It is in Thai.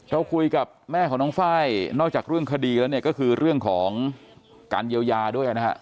เราคุยกับแม่ของน้องไฟล์นอกจากเรื่องคดีแล้วเนี่ยก็คือเรื่องของการเยียวยาด้วยนะฮะ